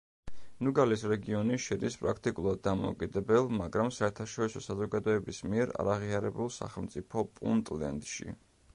ნუგალის რეგიონი შედის პრაქტიკულად დამოუკიდებელ, მაგრამ საერთაშორისო საზოგადოების მიერ არაღიარებულ სახელმწიფო პუნტლენდში.